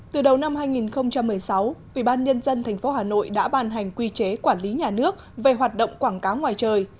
từ đầu năm hai nghìn một mươi sáu ubnd tp hà nội đã ban hành quy chế quản lý nhà nước về hoạt động quảng cáo ngoài trời